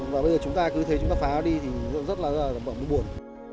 và bây giờ chúng ta cứ thế chúng ta phá đi thì rất là bẩm buồn